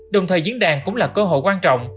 đồng thời diễn đàn cũng là cơ hội quan trọng